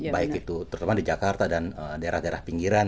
baik itu terutama di jakarta dan daerah daerah pinggiran